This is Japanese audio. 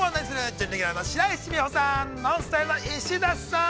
準レギュラーの白石美帆さん、ＮＯＮＳＴＹＬＥの石田さん。